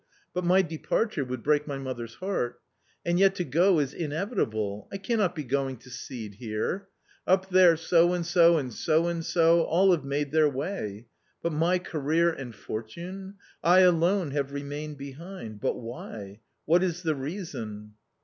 But my departure would break my mother's heart ! And yet to go is inevitable ; I cannot be going to seed here ! Up there so and so and so and so — all have made their way \But my career and fortune? .... I alone have re y jmained behind .... but why? what is the reason?"